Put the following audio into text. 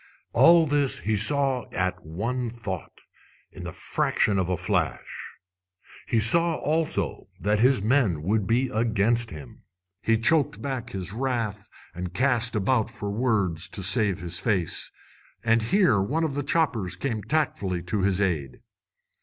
All this he saw at one thought, in the fraction of a flash. He saw also that his men would be against him. He choked back his wrath and cast about for words to save his face. And here one of his choppers came tactfully to his aid.